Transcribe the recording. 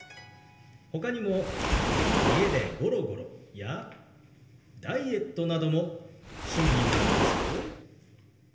ほかにも「家でゴロゴロ」や「ダイエット」なども趣味になるんですよ。